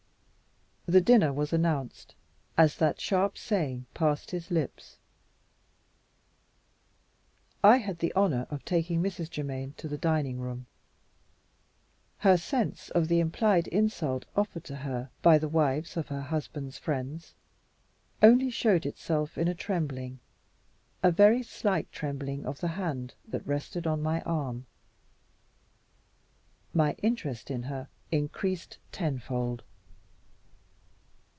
The dinner was announced as that sharp saying passed his lips. I had the honor of taking Mrs. Germaine to the dining room. Her sense of the implied insult offered to her by the wives of her husband's friends only showed itself in a trembling, a very slight trembling, of the hand that rested on my arm. My interest in her increased tenfold.